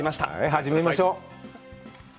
始めましょう。